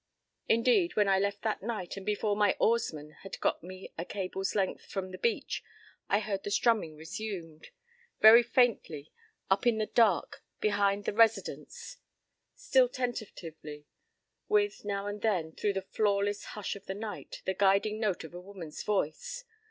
p> Indeed, when I left that night and before my oarsmen had got me a cable's length from the beach I heard the strumming resumed, very faintly, up in the dark behind the Residence; still tentatively, with, now and then through the flawless hush of the night, the guiding note of a woman's voice.